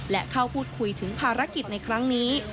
และเข้าพูดคุยถึงภารกิจในครั้งนี้